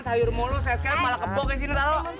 sayur moh lo saya sekali malah keboh ke sini tau